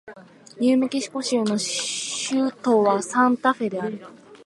ニューメキシコ州の州都はサンタフェである